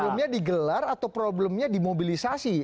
problemnya di gelar atau problemnya dimobilisasi